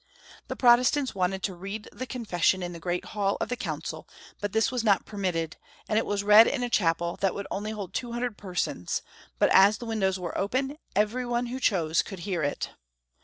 The Protestants wanted to read the confession in the great hall of the council, but this was not per mitted, and it was read in a chapel that would only hold 200 persons, but as the windows were open, every one who chose could hear it.